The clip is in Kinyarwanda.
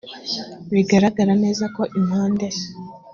bigaragara neza ko impande